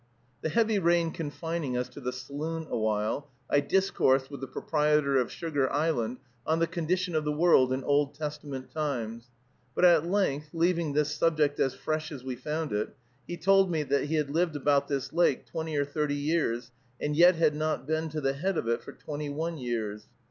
The heavy rain confining us to the saloon awhile, I discoursed with the proprietor of Sugar Island on the condition of the world in Old Testament times. But at length, leaving this subject as fresh as we found it, he told me that he had lived about this lake twenty or thirty years, and yet had not been to the head of it for twenty one years.